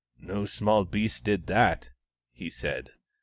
" No small beast did that," he said.